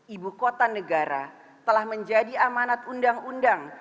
ibu kota negara telah menjadi amanat undang undang